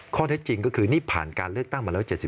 ข้อเท็จจริงก็คือนี่ผ่านการเลือกตั้งมาแล้ว๗๒